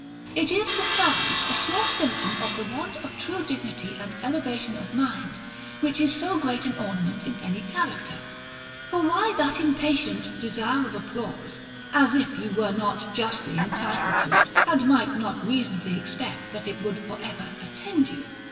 It is besides a sure symptom of the want of true dignity and elevation of mind, which is so great an ornament in any character. For why that impatient desire of applause; as if you were not justly entitled to it, and might not reasonably expect that it would for ever at tend you?